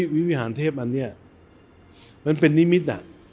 วิหารเทพอันนี้มันเป็นนิมิตร